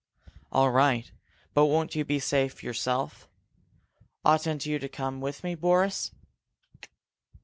"All right. But will you be safe yourself? Oughtn't you to come with me, Boris?"